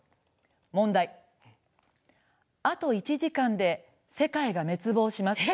問題、あと１時間で世界が滅亡します。